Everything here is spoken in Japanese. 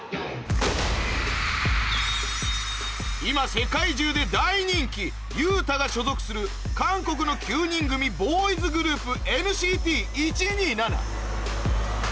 今世界中で大人気ユウタが所属する韓国の９人組ボーイズグループ ＮＣＴ１２７